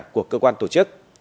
của cơ quan tổ chức